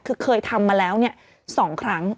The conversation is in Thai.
คือเคยทำมาแล้ว๒ครั้ง